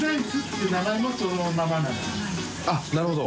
あっなるほど。